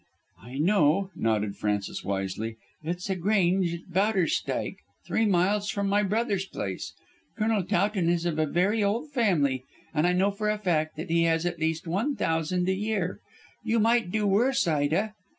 "I know," nodded Frances wisely, "it's a Grange at Bowderstyke, three miles from my brother's place. Colonel Towton is of a very old family, and I know for a fact that he has at least one thousand a year. You might do worse, Ida."